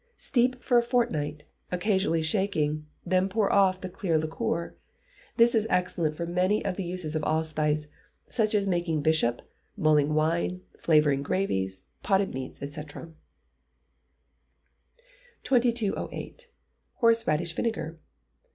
Steep for a fortnight, occasionally shaking, then pour off the clear liquor. This is excellent for many of the uses of allspice, such as making bishop, mulling wine, flavouring gravies, potted meats, &c. 2208. Horseradish Vinegar.